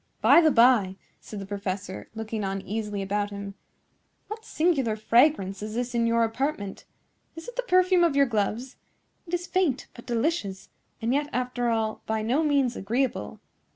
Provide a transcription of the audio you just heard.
"By the by," said the professor, looking uneasily about him, "what singular fragrance is this in your apartment? Is it the perfume of your gloves? It is faint, but delicious; and yet, after all, by no means agreeable.